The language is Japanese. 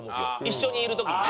一緒にいる時に。